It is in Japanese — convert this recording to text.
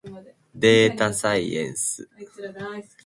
でーたさいえんす。